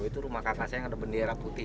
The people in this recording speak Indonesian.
itu rumah kakak saya yang ada bendera putih